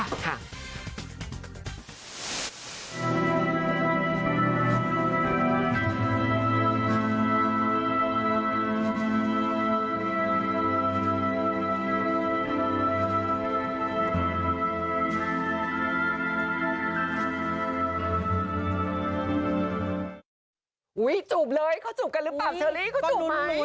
จูบเลยเขาจูบกันหรือเปล่าเชอรี่เขาจูบ